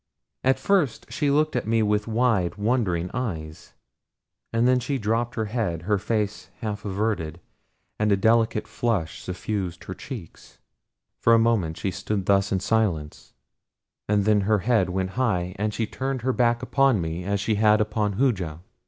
At first she looked at me with wide, wondering eyes, and then she dropped her head, her face half averted, and a delicate flush suffused her cheek. For a moment she stood thus in silence, and then her head went high, and she turned her back upon me as she had upon Hooja.